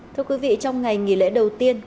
thưa quý vị trong ngày nghỉ lễ đầu tiên